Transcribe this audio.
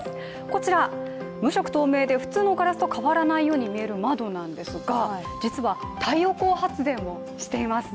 こちら、無色透明で普通のガラスと変わらないように見える窓なんですが実は、太陽光発電をしています。